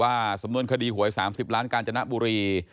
สำนวนคดีหวย๓๐ล้านกาญจนบุรี